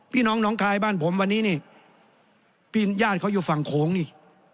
พี่น้องน้องคายบ้านผมวันนี้นี่พี่ญาติเขาอยู่ฝั่งโขงนี่